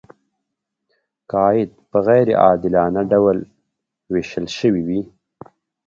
که عاید په غیر عادلانه ډول ویشل شوی وي.